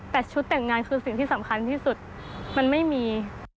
แต่ชุดแต่งงานคือสิ่งที่สำคัญที่สุดมันไม่มี